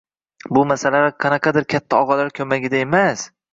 Bu masalalar qanaqadir katta ogʻalar koʻmagida emas